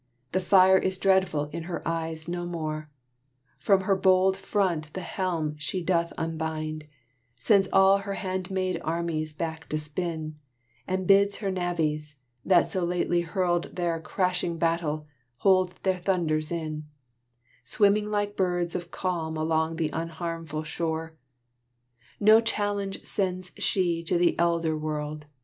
The fire is dreadful in her eyes no more; From her bold front the helm she doth unbind, Sends all her handmaid armies back to spin, And bids her navies, that so lately hurled Their crashing battle, hold their thunders in, Swimming like birds of calm along the unharmful shore. No challenge sends she to the elder world.